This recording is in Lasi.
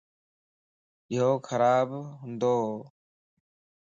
يو خراب ھنڊوَ